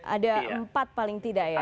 ada empat paling tidak ya